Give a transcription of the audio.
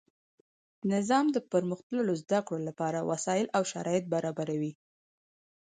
نظام د پرمختللو زده کړو له پاره وسائل او شرایط برابروي.